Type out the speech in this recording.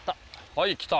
はい来た！